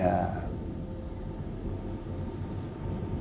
roy adik kamu